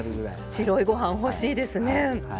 白いご飯欲しいですね。